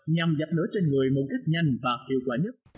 nhằm dập lửa trên người một cách nhanh và hiệu quả nhất